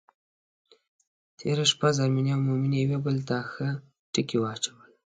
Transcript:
تېره شپه زرمېنې او میمونې یوې بدلې ته ښه ټکي واچول.